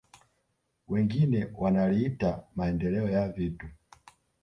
Wengine wanaliita maendeleo ya vitu